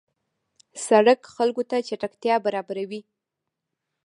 سړک خلکو ته چټکتیا برابروي.